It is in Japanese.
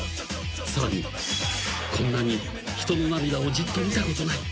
［さらにこんなに人の涙をじっと見たことない］